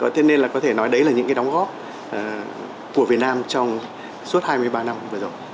thế nên là có thể nói đấy là những cái đóng góp của việt nam trong suốt hai mươi ba năm vừa rồi